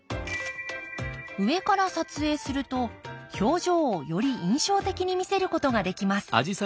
上から撮影すると表情をより印象的に見せることができます。